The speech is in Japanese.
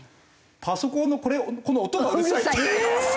パソコンのこの音がうるさいって。